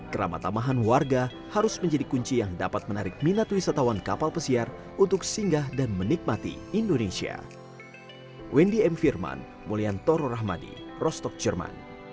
keramat tamahan warga harus menjadi kunci yang dapat menarik minat wisatawan kapal pesiar untuk singgah dan menikmati indonesia